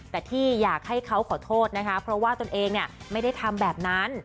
แต่ที่อยากให้เขาขอโทษนะคะเพราะว่าตนเองไม่ได้ทำแบบนั้น